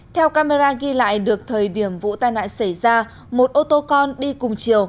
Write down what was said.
theo camera ghi lại được thời điểm vụ tai nạn xảy ra một ô tô con đi cùng chiều